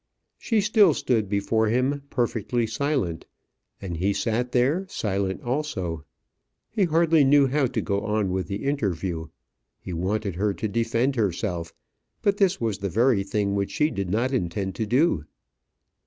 She still stood before him, perfectly silent; and he sat there, silent also. He hardly knew how to go on with the interview. He wanted her to defend herself, but this was the very thing which she did not intend to do.